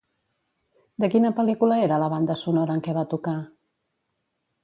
De quina pel·lícula era la banda sonora en què va tocar?